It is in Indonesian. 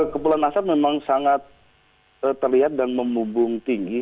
kepulan asap memang sangat terlihat dan memubung tinggi